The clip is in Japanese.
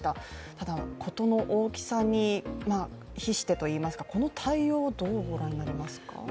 ただ、ことの大きさに比してといいますか、この対応、どうご覧になりますか？